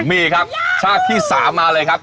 มีครับซากที่๓มาเลยครับ